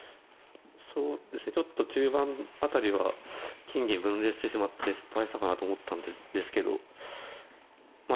そうですねちょっと中盤辺りが金銀分裂してしまって失敗したかなと思ったんですけどま